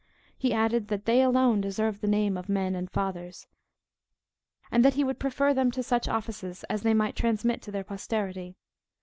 He added, that they alone deserved the name of men and fathers, and that he would prefer them to such offices, as they might transmit to their posterity.